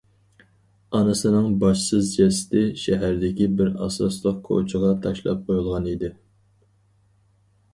ئانىسىنىڭ باشسىز جەسىتى شەھەردىكى بىر ئاساسلىق كوچىغا تاشلاپ قويۇلغان ئىدى.